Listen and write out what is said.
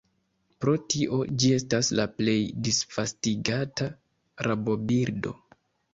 Pro tio ĝi estas la plej disvastigata rabobirdo.